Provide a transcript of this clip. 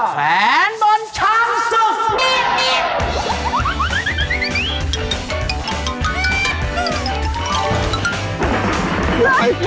แผนบนชั้นสุด